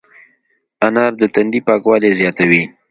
انار د تندي پاکوالی زیاتوي.